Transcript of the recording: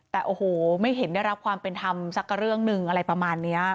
แต่โอ้โหไม่เห็นได้รับความเป็นธรรมสักเรื่องหนึ่งอะไรประมาณนี้